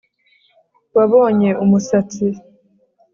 wabonye umusatsi